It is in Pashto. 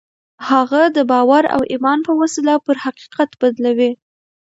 هغه د باور او ايمان په وسيله پر حقيقت بدلوي.